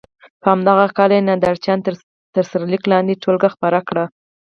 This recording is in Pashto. په همدغه کال یې ننداره چیان تر سرلیک لاندې ټولګه خپره کړه.